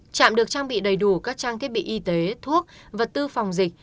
trạm được trang bị đầy đủ các trang thiết bị y tế thuốc vật tư phòng dịch